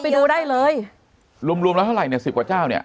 ไปดูได้เลยรวมรวมแล้วเท่าไหร่เนี่ยสิบกว่าเจ้าเนี่ย